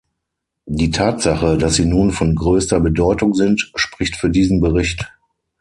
Die Tatsache, dass sie nun von größter Bedeutung sind, spricht für diesen Bericht.